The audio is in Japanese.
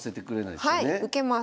はい受けます。